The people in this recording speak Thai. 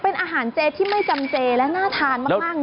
เป็นอาหารเจที่ไม่จำเจและน่าทานมาก